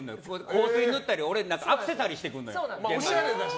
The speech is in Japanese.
香水付けたり俺、アクセサリーしてくるのよ。